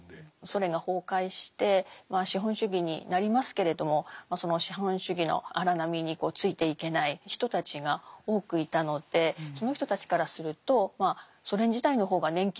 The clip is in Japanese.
ソ連が崩壊してまあ資本主義になりますけれどもその資本主義の荒波についていけない人たちが多くいたのでその人たちからするとソ連時代の方が年金もあったじゃないかと。